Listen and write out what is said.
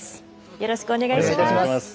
よろしくお願いします。